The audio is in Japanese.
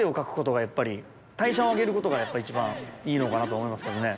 代謝を上げることがやっぱ一番いいのかなと思いますけどね。